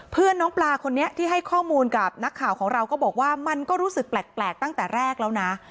เพื่อนน้องปลาคนนี้ที่ให้ข้อมูลกับนักข่าวของเราก็บอกว่ามันก็รู้สึกแปลกตั้งแต่แรกแล้วนะ